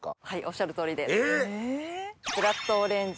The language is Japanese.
はいおっしゃる通りです。